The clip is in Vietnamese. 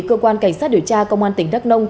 cơ quan cảnh sát điều tra công an tỉnh đắk nông